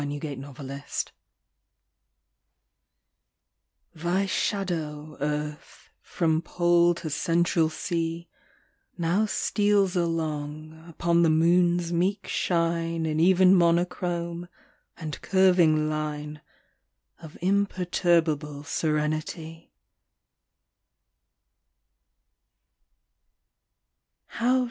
AT A LUNAR ECLIPSE THY shadow, Earth, from Pole to Central Sea, Now steals along upon the Moon's meek shine In even monochrome and curving line Of imperturbable serenity.